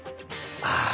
ああ！